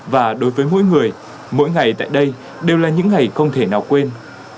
và đối với mỗi người mỗi ngày tại đây đều là những ngày không thể nào quên